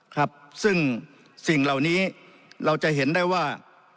ครับซึ่งสิ่งเหล่านี้เราจะเห็นได้ว่า